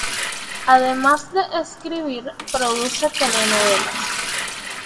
Además de escribir, produce telenovelas.